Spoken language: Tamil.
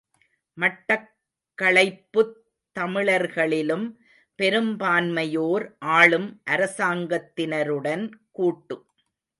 மட்டக் களைப்புத் தமிழர்களிலும் பெரும்பான்மையோர் ஆளும் அரசாங்கத்தினருடன் கூட்டு.